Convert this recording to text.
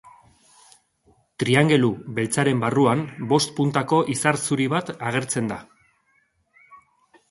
Triangelu beltzaren barruan bost puntako izar zuri bat agertzen da.